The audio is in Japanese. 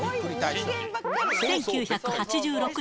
１９８６年